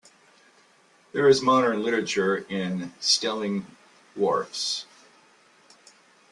There is modern literature in Stellingwarfs.